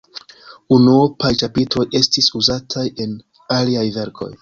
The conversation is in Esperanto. Unuopaj ĉapitroj estis uzataj en aliaj verkoj.